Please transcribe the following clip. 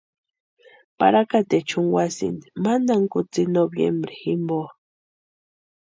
Parakateecha junkwasínti mantani kutsï noviembre jimpo.